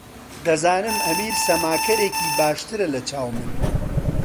دەزانم ئەمیر سەماکەرێکی باشترە لەچاو من.